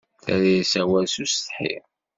Terra-yas awal s usetḥi